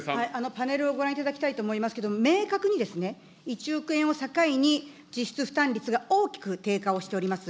パネルをご覧いただきたいと思いますけれども、明確に１億円を境に、実質負担率が大きく低下をしております。